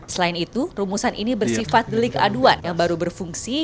selain itu rumusan ini bersifat delik aduan yang baru berfungsi